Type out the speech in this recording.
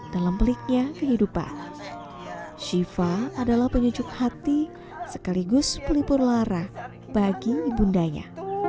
dalam peliknya kehidupan shiva adalah penyujuk hati sekaligus pelipur lara bagi ibundanya